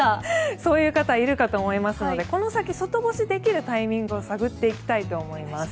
そういう方いるかと思いますのでこの先外干しできるタイミングを探っていきたいと思います。